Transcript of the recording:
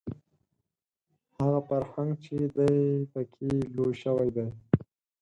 هغه فرهنګ چې دی په کې لوی شوی دی